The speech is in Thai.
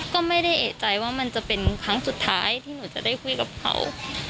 ก็ไม่ได้เอกใจว่ามันจะเป็นครั้งสุดท้ายที่หนูจะได้คุยกับเขา